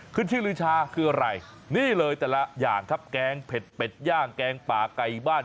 ขึ้นชื่อลือชาคืออะไรนี่เลยแต่ละอย่างครับแกงเผ็ดเป็ดย่างแกงป่าไก่บ้าน